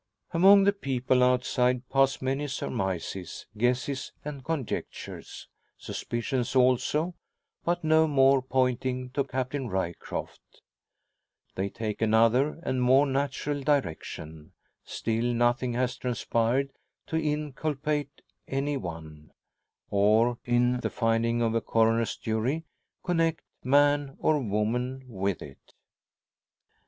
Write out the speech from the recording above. Among the people outside pass many surmises, guesses, and conjectures. Suspicions also, but no more pointing to Captain Ryecroft. They take another, and more natural, direction. Still nothing has transpired to inculpate any one, or, in the finding of a Coroner's jury, connect man or woman with it.